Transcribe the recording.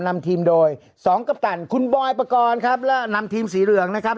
นำทีมโดยสองกัปตันคุณบอยปกรณ์ครับและนำทีมสีเหลืองนะครับ